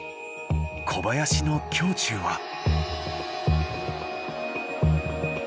小林の胸中は。